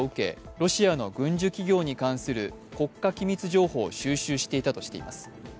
ロシアの軍需企業に関する国家機密情報を収集していたとしています。